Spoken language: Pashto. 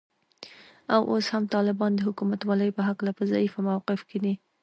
او اوس هم طالبان د حکومتولې په هکله په ضعیفه موقف کې دي